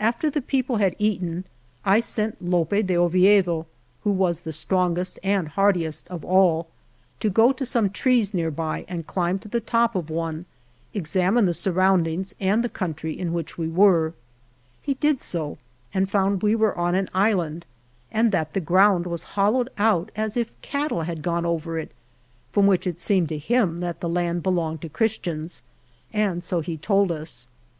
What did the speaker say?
AFTER the people had eaten I sent Lope de Oviedo, who was the strongest and heartiest of all, to go to some trees nearby and climb to the top of one, examine the surroundings and the country in which we were. He did so and found we were on an island, and that the ground was hollowed out, as if cattle had gone over it, from which it seemed to him 54 ALVAR NUNEZ CABEZA DE VACA that the land belonged to Christians, and so he told us.